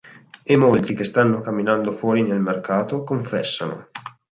E molti che stanno camminando fuori nel mercato confessano.